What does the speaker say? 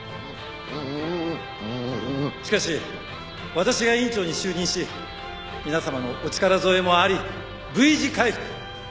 しかし私が院長に就任し皆様のお力添えもありＶ字回復！